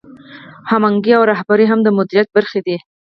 هماهنګي او رهبري هم د مدیریت برخې دي.